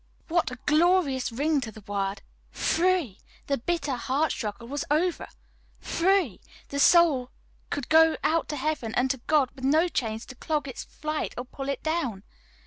what a glorious ring to the word. Free! the bitter heart struggle was over. Free! the soul could go out to heaven and to God with no chains to clog its flight or pull it down.